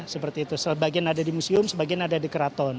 seperti itu sebagian ada di museum sebagian ada di keraton